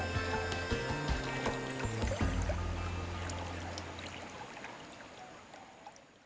ketidaksempurnaan capung dalam metamorfosisnya ternyata justru menjadi kunci kesempurnaan bagi kehidupan manusia